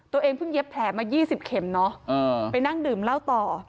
ตัวเองเพิ่งเย็บแผลมา๒๐เข็มเนาะไปนั่งดื่มเหล้าต่อ